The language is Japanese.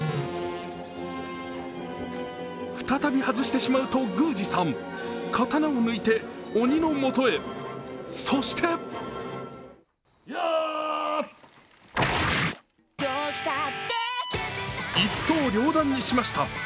再び外してしまうと、宮司さん刀を抜いて鬼のもとへそして一刀両断にしました。